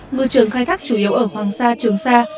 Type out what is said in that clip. ngư trường khai thác chủ yếu ở hoàng sa trường sa